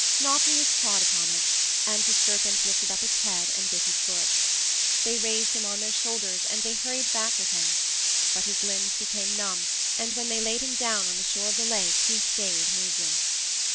Nauplius trod upon it, and the serpent lifted its head up and bit his foot. They raised him on their shoulders and they hurried back with him. But his limbs became numb, and when they laid him down on the shore of the lake he stayed moveless.